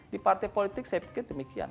di partai politik saya pikir demikian